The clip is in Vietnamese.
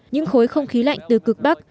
những khối không khí lạnh từ cực bắc